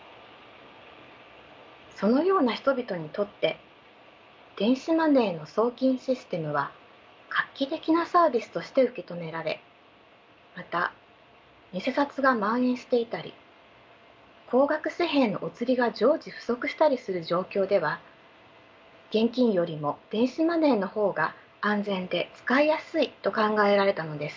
そのような人々にとって電子マネーの送金システムは画期的なサービスとして受け止められまた偽札がまん延していたり高額紙幣のお釣りが常時不足したりする状況では現金よりも電子マネーの方が安全で使いやすいと考えられたのです。